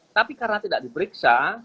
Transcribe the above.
tapi karena tidak diperiksa